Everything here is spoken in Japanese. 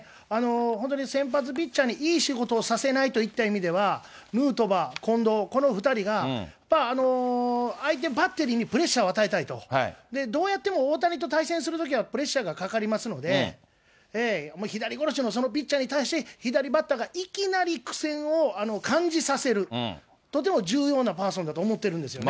本当に先発ピッチャーにいい仕事をさせないといった意味では、ヌートバー、近藤、この２人が、やっぱ相手バッテリーにプレッシャーを与えたいと、どうやっても大谷と対戦するときは、プレッシャーがかかりますので、もう左殺しのそのピッチャーに対して、左バッターがいきなり苦戦を感じさせる、とても重要なパーソンだと思ってるんですよね。